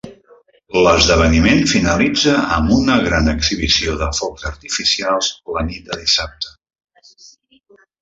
L'esdeveniment finalitza amb una gran exhibició de focs artificials la nit del dissabte.